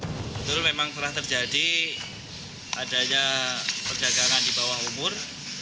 betul memang pernah terjadi adanya perjagangan di bawah umur